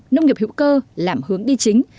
nông nghiệp hữu cơ làm hướng đi chính